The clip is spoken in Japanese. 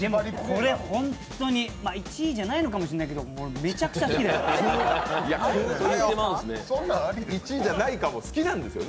これ、ホントに１位じゃないのかもしれないけど、もうめちゃくちゃ好きだよ。